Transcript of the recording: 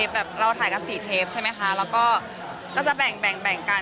แบบเราถ่ายกัน๔เทปใช่ไหมคะแล้วก็จะแบ่งกัน